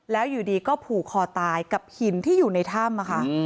แล้วอยู่ดีก็ผูกคอตายกับหินที่อยู่ในถ้ำ